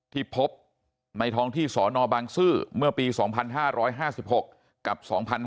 ที่พบในท้องที่สนบางซื่อเมื่อปี๒๕๕๖กับ๒๕๕๙